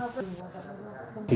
chúng tôi đã triển khai